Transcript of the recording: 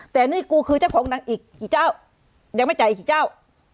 แต่นี่กูคือเจ้าของหนังอีกกี่เจ้ายังไม่จ่ายอีกกี่เจ้า